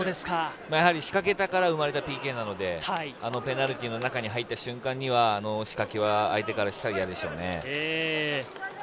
仕掛けたから生まれたＰＫなので、ペナルティーの中に入った瞬間には、あの仕掛けは相手からしたら嫌でしょうね。